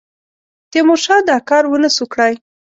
تیمورشاه دا کار ونه سو کړای.